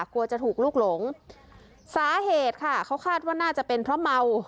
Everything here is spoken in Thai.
กลัวจะถูกลูกหลงสาเหตุค่ะเขาคาดว่าน่าจะเป็นเพราะเมา